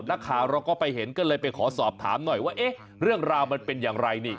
นักข่าวเราก็ไปเห็นก็เลยไปขอสอบถามหน่อยว่าเอ๊ะเรื่องราวมันเป็นอย่างไรนี่